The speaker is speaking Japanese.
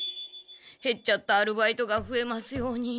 へっちゃったアルバイトがふえますように。